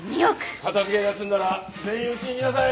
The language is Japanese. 片付けが済んだら全員うちに来なさい。